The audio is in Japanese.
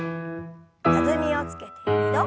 弾みをつけて２度。